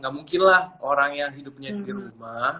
gak mungkin lah orang yang hidupnya di rumah